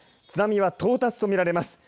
津波は到達と見られます。